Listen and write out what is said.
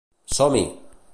Som-hi!